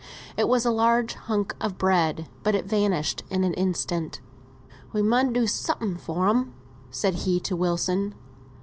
It was a large hunch of bread, but it vanished in an instant. "We mun do summut for 'em," said he to Wilson.